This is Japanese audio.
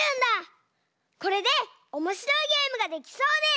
これでおもしろいゲームができそうです！